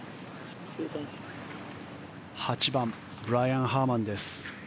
８番ブライアン・ハーマンです。